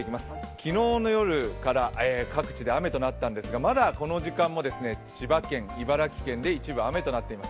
昨日の夜から各地で目となったんですが、まだこの時間も千葉県、茨城県で一部雨となっています。